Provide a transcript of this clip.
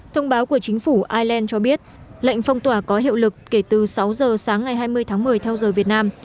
thông báo của chính phủ ireland cho biết lệnh phong tỏa có hiệu lực kể từ sáu giờ sáng ngày hai mươi tháng một mươi theo giờ việt nam